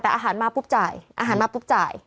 แต่อาหารมาปุ๊บจ่ายอาหารมาปุ๊บจ่าย